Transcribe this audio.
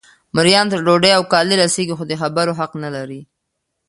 مریانو ته ډوډۍ او کالي رسیږي خو د خبرو حق نه لري.